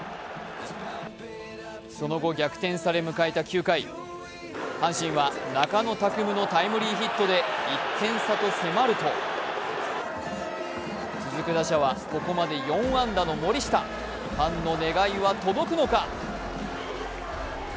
その後、逆転され迎えた９回、阪神は中野拓夢のタイムリーヒットで１点差と迫ると続く打者はここまで４安打の森下ファンの願いは届くのか？